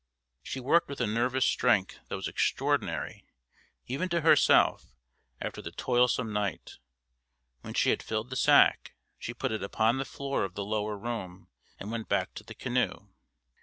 She worked with a nervous strength that was extraordinary, even to herself, after the toilsome night. When she had filled the sack, she put it upon the floor of the lower room and went back to the canoe.